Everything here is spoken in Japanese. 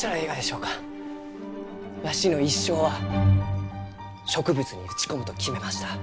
わしの一生は植物に打ち込むと決めました。